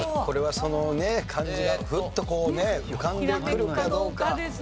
これはその漢字がふっとこうね浮かんでくるかどうか。